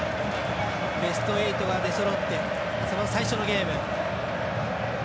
ベスト８が出そろってその最初のゲーム。